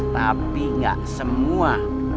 tapi gak semua